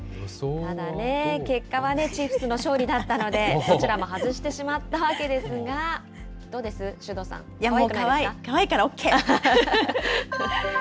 ただ結果はチーフスの勝利だったので、どちらも外してしまったわけですが、どうです、首藤さん。もうかわいい、かわいいからＯＫ。